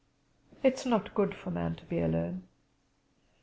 It is not good for man to be alone.